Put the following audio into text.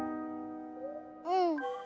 うん。